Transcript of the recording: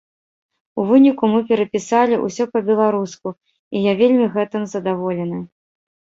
У выніку, мы перапісалі ўсё па-беларуску, і я вельмі гэтым задаволены.